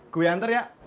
gue antar ya